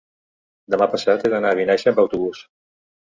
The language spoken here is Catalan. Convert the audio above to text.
demà passat he d'anar a Vinaixa amb autobús.